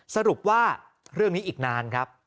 สรุปว่าเรื่องนี้อีกนานครับ